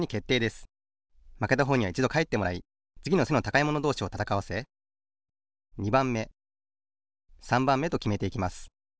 まけたほうにはいちどかえってもらいつぎの背の高いものどうしをたたかわせ２ばんめ３ばんめときめていきます。